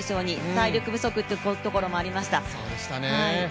体力不足のところもありました。